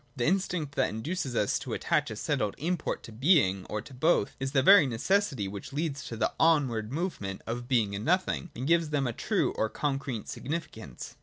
The instinct that induces us to attach a settled import to Being, or to both, is the very necessity which leads to the onward movement of Being and Nothing, and gives them a true or concrete significance.